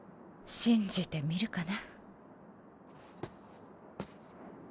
信じてみるかな。